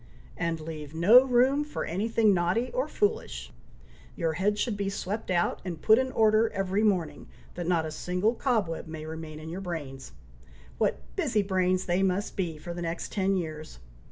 "And leave no room for any thing naughty or foolish! Your head should be swept out, and put in order every morning, that not a single cobweb may remain in your brains. What busy brains they must be for the next ten years!